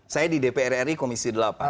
saya di dpr ri komisi delapan